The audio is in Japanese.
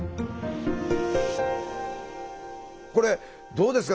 これどうですか？